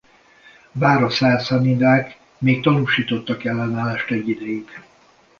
Bár a Szászánidák még tanúsítottak ellenállást egy ideig.